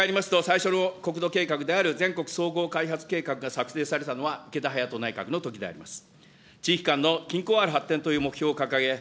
振り返りますと、最初の国土計画である、全国総合開発計画が策定されたのは池田勇人内閣のときであります。